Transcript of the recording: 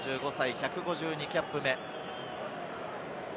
１５２キャップ目。